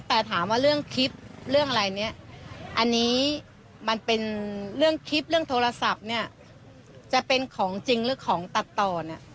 แต่ถามว่าเรื่องคลิปเรื่องอะไรเนี่ยอันนี้มันเป็นเรื่องคลิปเรื่องโทรศัพท์เนี่ยจะเป็นของจริงหรือของตัดต่อเนี่ย